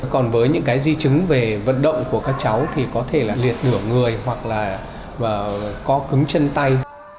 còn với những di chứng về vận động của các cháu thì có thể liệt nửa người hoặc là có cứng chân tay